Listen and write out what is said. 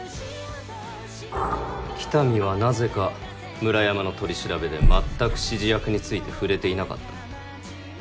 北見はなぜか村山の取調べでまったく指示役について触れていなかった。